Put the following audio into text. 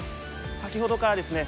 先ほどからですね